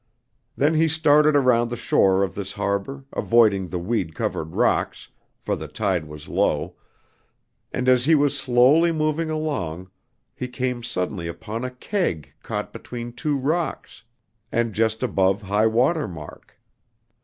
Then he started around the shore of this harbor, avoiding the weed covered rocks, for the tide was low, and as he was slowly moving along, he came suddenly upon a keg caught between two rocks, and just above high water mark.